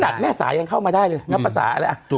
ถ้าหากแม่สายยังเข้ามาได้เลยนับประสาท